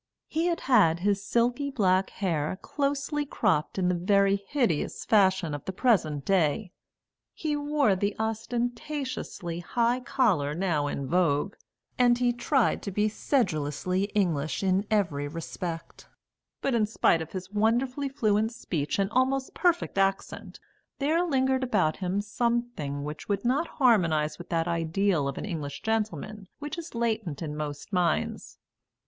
He had had his silky black hair closely cropped in the very hideous fashion of the present day; he wore the ostentatiously high collar now in vogue; and he tried to be sedulously English in every respect. But in spite of his wonderfully fluent speech and almost perfect accent, there lingered about him something which would not harmonise with that ideal of an English gentleman which is latent in most minds.